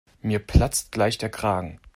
Mir platzt gleich der Kragen.